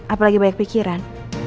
apa lagi banyak pikiran